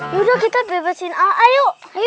yaudah kita bebasin ayo